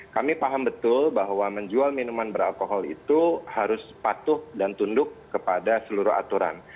kami paham betul bahwa menjual minuman beralkohol itu harus patuh dan tunduk kepada seluruh aturan